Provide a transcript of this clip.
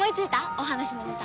お話のネタ。